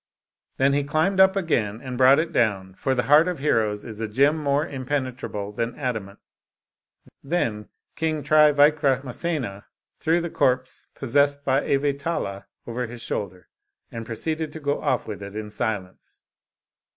Then he climbed up again and brought it down, for the heart of heroes is a gem more impenetrable than adamant. Then King Trivikramasena threw the corpse possessed by a Vetala over his shoulder, and pro ceeded to go off with it, in silence.